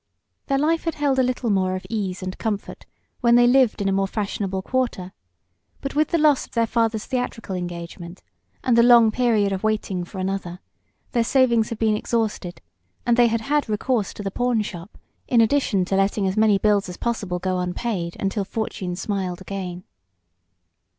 Their life had held a little more of ease and comfort when they lived in a more fashionable quarter, but with the loss of their father's theatrical engagement, and the long period of waiting for another, their savings had been exhausted and they had had recourse to the pawn shop, in addition to letting as many bills as possible go unpaid until fortune smiled again.